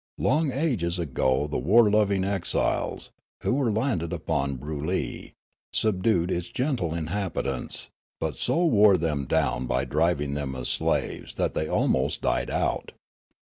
Long ages ago the war loving exiles, who were landed upon Broolyi, subdued its gentle inhabitants, but so wore them down by driving them as slaves that they almost died out.